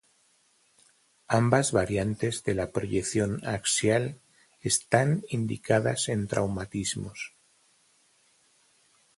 Ambas variantes de la proyección axial están indicadas en traumatismos.